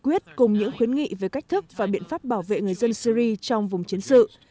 quyết cùng những khuyến nghị về cách thức và biện pháp bảo vệ người dân syri trong vùng chiến sự